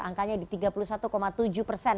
angkanya di tiga puluh satu tujuh persen